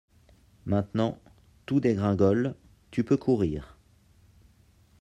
Maintenant, tout dégringole, tu peux courir...